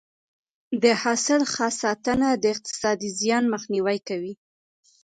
د حاصل ښه ساتنه د اقتصادي زیان مخنیوی کوي.